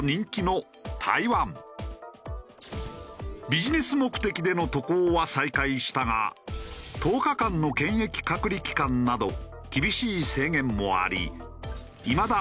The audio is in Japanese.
ビジネス目的での渡航は再開したが１０日間の検疫隔離期間など厳しい制限もありいまだ